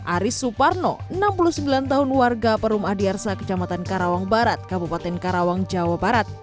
aris suparno enam puluh sembilan tahun warga perum adiarsa kecamatan karawang barat kabupaten karawang jawa barat